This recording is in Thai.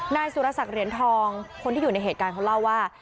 นายสุรสักเหรียญทองคนที่อยู่ในเหตุการณ์เขาเล่าว่า